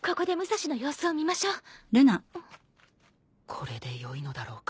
これでよいのだろうか。